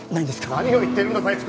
何を言ってるんだ財津